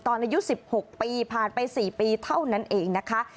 อายุ๑๖ปีผ่านไป๔ปีเท่านั้นเองนะคะ